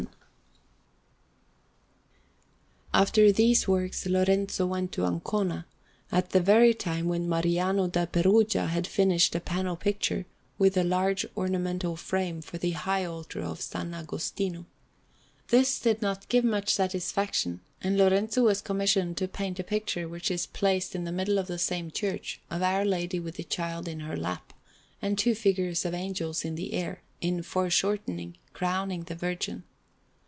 [Illustration: ANDREA ODONI (After the painting by =Lorenzo Lotto=. Hampton Court Palace) Mansell] After these works Lorenzo went to Ancona, at the very time when Mariano da Perugia had finished a panel picture, with a large ornamental frame, for the high altar of S. Agostino. This did not give much satisfaction; and Lorenzo was commissioned to paint a picture, which is placed in the middle of the same church, of Our Lady with the Child in her lap, and two figures of Angels in the air, in foreshortening, crowning the Virgin.